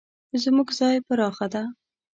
زموږ ځای پراخه ده